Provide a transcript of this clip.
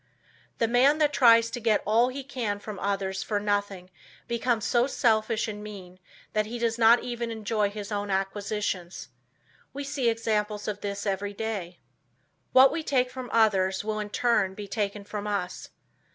The man that tries to get all he can from others for nothing becomes so selfish and mean that he does not even enjoy his acquisitions. We see examples of this every day. What we take from others, will in turn, be taken from us.